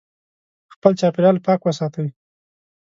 خپل چاپیریال پاک وساتئ.